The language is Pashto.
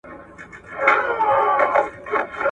آیا سیاستپوهنه یو پېچلی ډګر دی؟